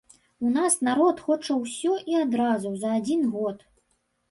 У нас народ хоча ўсё і адразу за адзін год.